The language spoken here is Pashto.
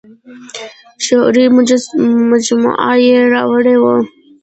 شعري مجموعه یې راوړې وه.